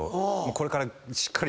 これから。